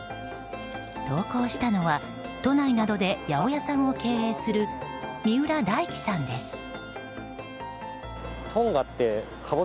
投稿したのは都内などで八百屋さんを経営する三浦大輝さんです。